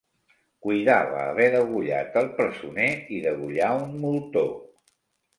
Cuidava haver degollat el presoner i degollà un moltó.